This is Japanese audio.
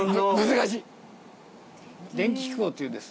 難しい！